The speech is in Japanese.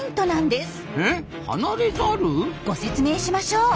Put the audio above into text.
ご説明しましょう。